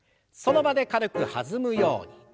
その場で軽く弾むように。